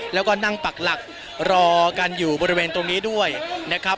แล้วก็นั่งปักหลักรอกันอยู่บริเวณตรงนี้ด้วยนะครับ